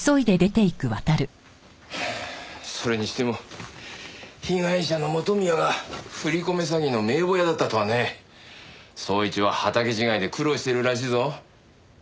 それにしても被害者の元宮が振り込め詐欺の名簿屋だったとはね。捜一は畑違いで苦労してるらしいぞ。